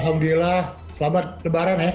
alhamdulillah selamat lebaran ya